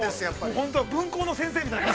本当は分校の先生みたい。